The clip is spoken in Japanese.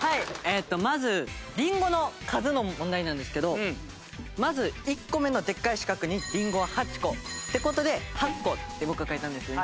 まずりんごの数の問題なんですけどまず１個目のでっかい四角にりんごは８個って事で「はっこ」って僕は書いたんですね。